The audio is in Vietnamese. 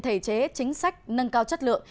thể chế chính sách nâng cao chất lượng